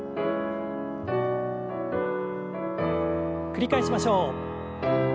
繰り返しましょう。